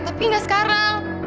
tapi gak sekarang